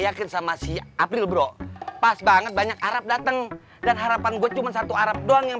yakin sama si april bro pas banget banyak arab datang dan harapan gue cuman satu arab doang yang